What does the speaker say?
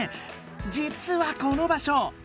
じつはこの場所。